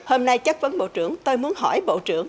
hôm nay chắc vẫn bộ trưởng tôi muốn hỏi bộ trưởng